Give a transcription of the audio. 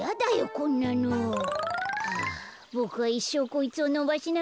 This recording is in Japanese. こんなの。はあボクはいっしょうこいつをのばしながらいきていくんだあ。